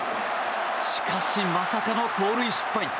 しかし、まさかの盗塁失敗。